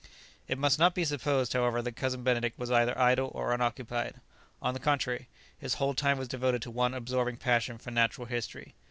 It must not be supposed, however, that Cousin Benedict was either idle or unoccupied. On the contrary, his whole time was devoted to one absorbing passion for natural history.